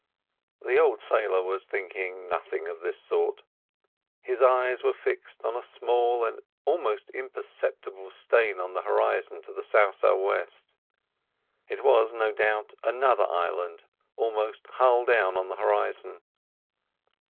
The old sailor was thinking nothing of this sort. His eyes were fixed on a small and almost imperceptible stain on the horizon to the sou' sou' west. It was no doubt another island almost hull down on the horizon.